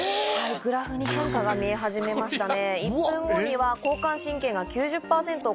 グラフに変化が見え始めましたね。